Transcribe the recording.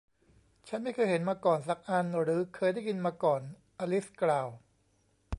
ฉันไม่เคยเห็นมาก่อนสักอันหรือเคยได้ยินมาก่อน อลิซกล่าว